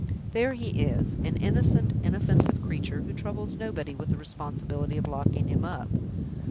There he is, an innocent, inoffensive creature, who troubles nobody with the responsibility of locking him up!